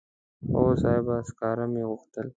هو صاحب سکاره مې غوښتل.